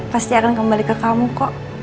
pasti akan kembali ke kamu kok